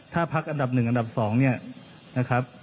ถ้าพักอันดับ๑อันดับ๒เนี่ยนะครับ